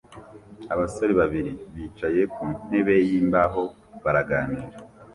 Abasore babiri bicaye ku ntebe yimbaho baraganira